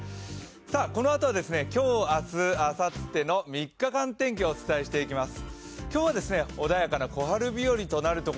このあとは今日明日、あさっての３日間天気をお伝えします。